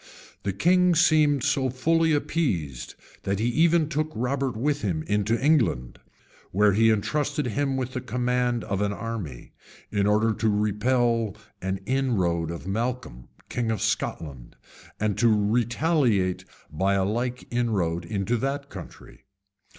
The king seemed so fully appeased that he even took Robert with him into England, where he intrusted him with the command of an army, in order to repel an inroad of Malcolm, king of Scotland, and to retaliate by a like inroad into that country.